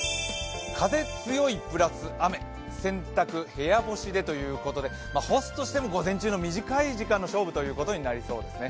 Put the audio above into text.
風強い＋雨、洗濯部屋干しでということで干すとしても午前中の短い時間の勝負ということになりそうですね。